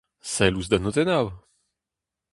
Sell ouzh da notennoù !